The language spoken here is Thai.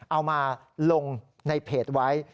เอามาลงในเพจไว้